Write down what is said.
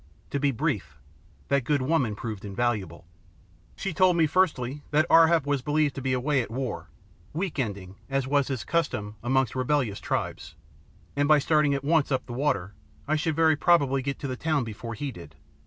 To be brief, that good woman proved invaluable. She told me, firstly, that Ar hap was believed to be away at war, "weekending" as was his custom, amongst rebellious tribes, and by starting at once up the water, I should very probably get to the town before he did.